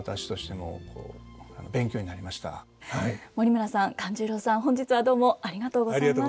森村さん勘十郎さん本日はどうもありがとうございました。